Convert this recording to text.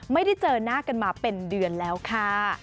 ไม่ได้เจอหน้ากันมาเป็นเดือนแล้วค่ะ